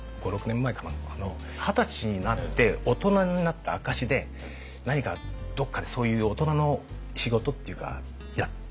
二十歳になって大人になった証しで何かどっかでそういう大人の仕事っていうかやらないか？